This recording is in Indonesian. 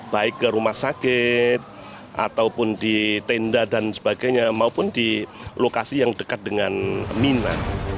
baik ke rumah sakit ataupun di tenda dan sebagainya maupun di lokasi yang dekat dengan mina